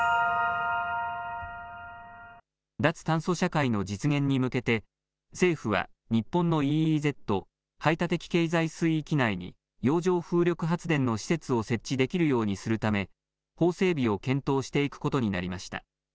脱炭素社会の実現に向けて政府は日本のＥＥＺ・排他的経済水域内に洋上風力発電の施設を設置できるようにするため法整備を検討していくことになりました。